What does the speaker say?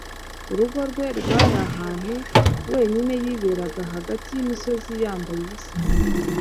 Urugo rwe rwari ahantu ha wenyine yiberaga, hagati y'imisozi yambaye ubusa,